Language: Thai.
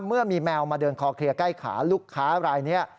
เมื่อมีแมวมาเดินคอเคลียร์ใกล้ขาลูกค้ารายนี้